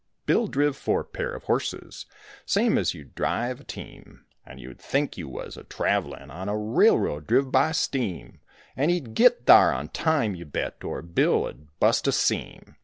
Bill driv four pair of horses, Same as you'd drive a team, And you'd think you was a travelin' On a railroad driv by steam; And he'd git thar on time, you bet, Or Bill 'u'd bust a seam.